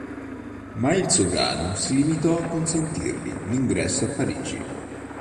Ma il sovrano si limitò a consentirgli l'ingresso a Parigi.